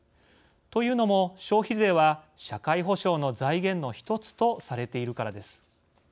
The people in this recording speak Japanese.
というのも消費税は社会保障の財源の１つとされているからです。